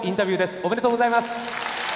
ありがとうございます。